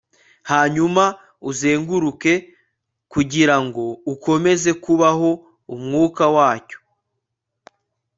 hanyuma uzenguruke kugirango ukomeze kubaho umwuka wacyo